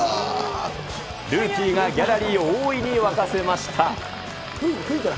ルーキーがギャラリーを大いに沸かせました。